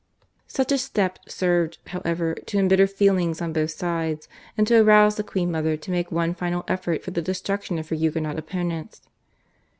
Such a step served, however, to embitter feelings on both sides, and to arouse the queen mother to make one final effort for the destruction of her Huguenot opponents.